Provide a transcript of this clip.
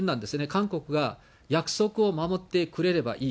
韓国が約束を守ってくれればいい。